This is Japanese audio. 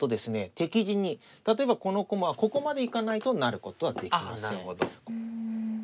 敵陣に例えばこの駒ここまで行かないと成ることはできません。